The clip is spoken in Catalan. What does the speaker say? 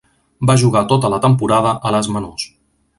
Va jugar tota la temporada a les menors.